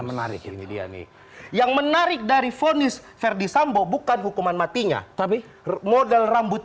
menarik ini dia nih yang menarik dari vonis verdi sambo bukan hukuman matinya tapi modal rambut